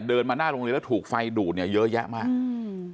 เดินมาหน้าโรงเรียนแล้วถูกไฟดูดเนี้ยเยอะแยะมากอืม